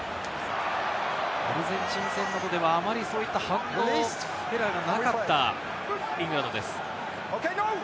アルゼンチン戦などでは、あまりそういったエラーがなかった、イングランドです。